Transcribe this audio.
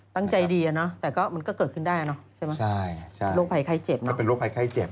ตั้งใจดีอ่ะเนอะแต่ก็มันก็เกิดขึ้นได้อ่ะเนอะโรคภัยไข้เจ็บเนอะ